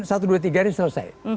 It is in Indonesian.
satu dua tiga hari selesai